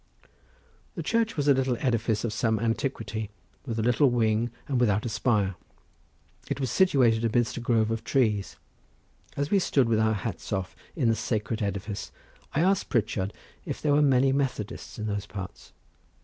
The church was a little edifice of some antiquity, with a little wing and without a spire; it was situated amidst a grove of trees. As we stood with our hats off in the sacred edifice, I asked Pritchard if there were many Methodists in those parts.